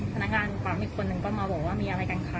พนักงานปั๊มอีกคนนึงก็มาบอกว่ามีอะไรกันคะ